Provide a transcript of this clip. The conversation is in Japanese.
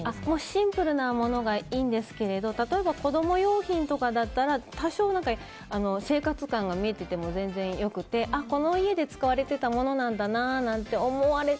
シンプルなのがいいんですが例えば子供用品とかだったら多少、生活感が見えていても全然良くて、この家で使われていたものなんだなと思われる。